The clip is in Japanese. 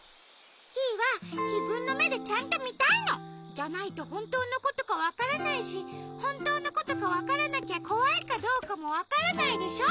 キイはじぶんのめでちゃんとみたいの！じゃないとほんとうのことかわからないしほんとうのことかわからなきゃこわいかどうかもわからないでしょ。